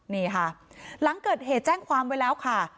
นี่ค่ะหลังเกิดเหตุแจ้งความไว้แล้วค่ะ